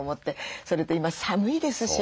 それと今寒いですしね。